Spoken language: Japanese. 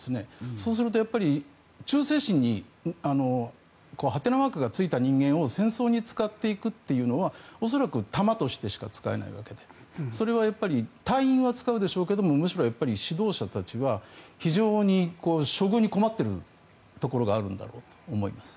そうすると、忠誠心にハテナマークがついた人間を戦争に使っていくというのは恐らく弾としてしか使えないわけでそれは、隊員は使うでしょうけど指導者たちは非常に処遇に困っているところがあると思います。